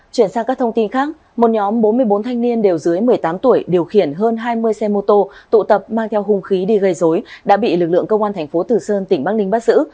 chuyển sang các thông tin khác một nhóm bốn mươi bốn thanh niên đều dưới một mươi tám tuổi điều khiển hơn hai mươi xe mô tô tụ tập mang theo hung khí đi gây dối đã bị lực lượng công an thành phố tử sơn tỉnh bắc ninh bắt giữ